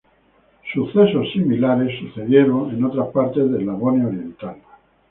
Eventos similares sucedieron en otras partes de Eslavonia oriental.